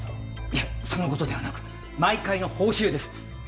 いやその事ではなく毎回の報酬です。